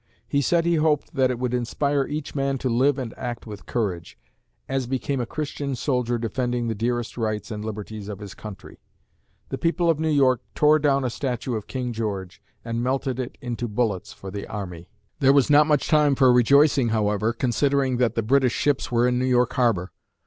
He said he hoped that it would inspire each man to live and act with courage, "as became a Christian soldier defending the dearest rights and liberties of his country." The people of New York tore down a statue of King George and melted it into bullets for the army. [Illustration: The British fleet arrived] There was not much time for rejoicing, however, considering that the British ships were in New York harbor.